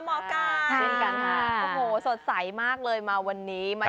หมอไก่เช่นกันค่ะโอ้โหสดใสมากเลยมาวันนี้มา